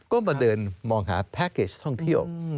ก็มาเดินมองหาแพ็คเกจท่องเที่ยว